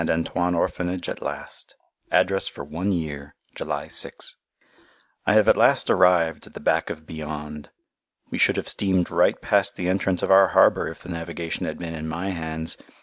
Antoine Orphanage at last Address for one year July 6_ I have at last arrived at the back of beyond. We should have steamed right past the entrance of our harbour if the navigation had been in my hands.